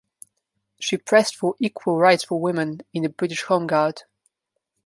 She pressed for equal rights for women in the British Home Guard.